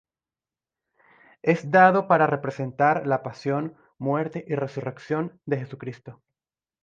Es dado para representar la pasión, muerte y resurrección de Jesucristo.